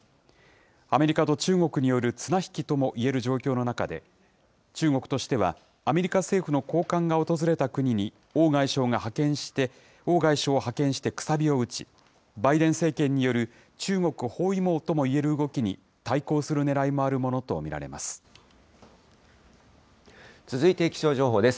アメリカと中国による綱引きともいえる状況の中で、中国としては、アメリカ政府の高官が訪れた国に王外相を派遣してくさびを打ち、バイデン政権による中国包囲網ともいえる動きに対抗するねらいが続いて気象情報です。